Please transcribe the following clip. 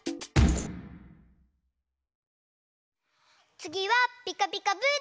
つぎは「ピカピカブ！」だよ。